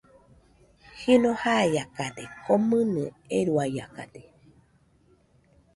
Jɨno baiakade, komɨnɨ eruaiakade.